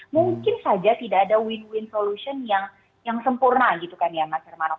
mungkin saja tidak ada win win solution yang sempurna gitu kan ya mas hermano